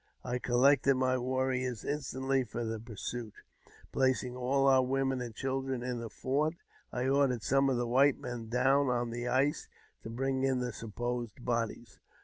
I collected my warriors instantly for the pursuit, placing all our women and children in the fort. I ordered some of the white men down on the ice to bring in the supposed bodies.